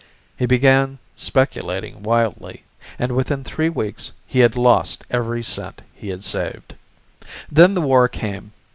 He began speculating wildly, and within three weeks he had lost every cent he had saved. Then the war came.